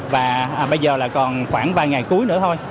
và bây giờ là còn khoảng vài ngày cuối nữa thôi